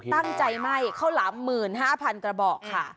ตั้งใจไหม้ข้าวหลาม๑๕๐๐๐กระบอกค่ะ